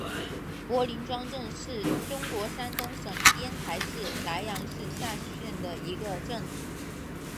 柏林庄镇是中国山东省烟台市莱阳市下辖的一个镇。